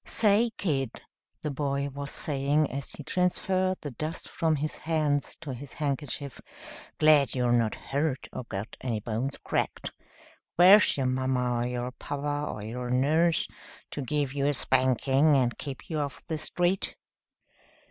"Say, kid," the boy was saying, as he transferred the dust from his hands to his handkerchief, "glad you're not hurt or got any bones cracked. Where's your mama, or your papa, or your nurse, to give you a spanking and keep you off the street?"